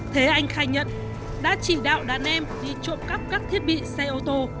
thế anh khai nhận đã chỉ đạo đàn em đi trộm cắp các thiết bị xe ô tô